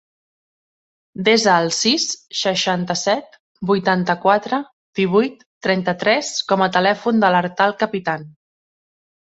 Desa el sis, seixanta-set, vuitanta-quatre, divuit, trenta-tres com a telèfon de l'Artal Capitan.